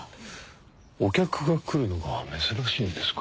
お客が来るのが珍しいんですか？